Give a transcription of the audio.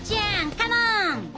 カモン！